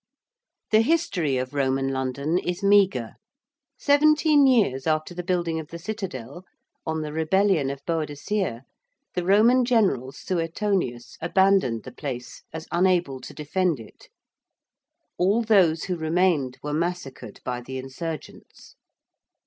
The history of Roman London is meagre. Seventeen years after the building of the Citadel, on the rebellion of Boadicea, the Roman general Suetonius abandoned the place, as unable to defend it. All those who remained were massacred by the insurgents.